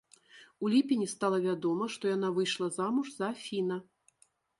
У ліпені стала вядома, што яна выйшла замуж за фіна.